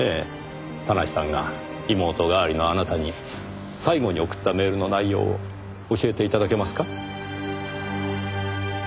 田無さんが妹代わりのあなたに最後に送ったメールの内容を教えて頂けますか？